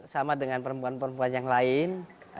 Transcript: sama dengan perempuan perempuan yang lain